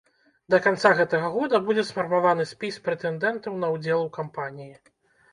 Да канца гэтага года будзе сфармаваны спіс прэтэндэнтаў на ўдзел у кампаніі.